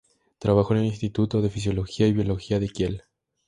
Trabajó en el instituto de Fisiología y Biología de Kiel.